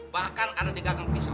bahkan ada di gagang pisau